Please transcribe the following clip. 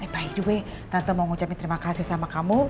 by the way tante mau ucapin terima kasih sama kamu